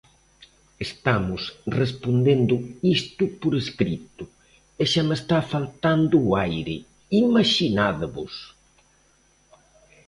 Estamos respondendo isto por escrito e xa me está faltando o aire, imaxinádevos!